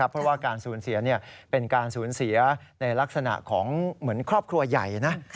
เพราะว่าการสูญเสียเป็นการสูญเสียในลักษณะของเหมือนครอบครัวใหญ่นะ